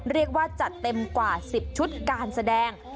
เรียกว่าจัดเต็มกว่า๑๐ชุดการแสดง